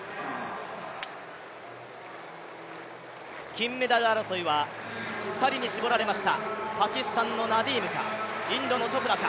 金メダル争いは２人に絞られましたパキスタンのナディームか、インドのチョプラか。